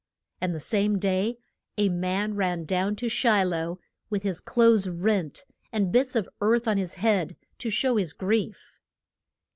And the same day a man ran down to Shi loh, with his clothes rent, and bits of earth on his head to show his grief.